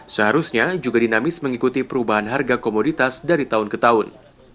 seharusnya juga dinamis mengikuti perubahan harga komoditas dari tahun ke tahun